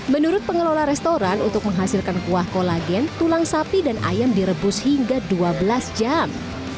menurut pengelola restoran untuk menghasilkan kuah kolagen tulang sapi dan ayam direbus hingga dua belas jam